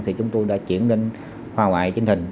thì chúng tôi đã chuyển đến hoa ngoại chính hình